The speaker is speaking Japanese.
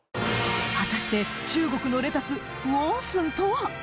果たして中国のレタスウオスンとは？